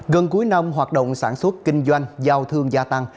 gần cuối năm hoạt động sản xuất kinh doanh giao thương gia tăng